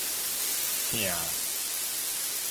疼